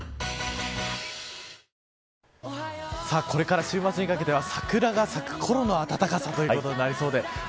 これから週末にかけては桜が咲くころの暖かさということになりそうです。